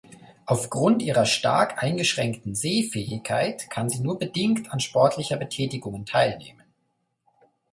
Auf Grund ihrer stark eingeschränkten Sehfähigkeit kann sie nur bedingt an sportlicher Betätigungen teilnehmen.